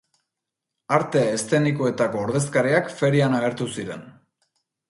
Arte eszenikoetako ordezkariak ferian agertu ziren.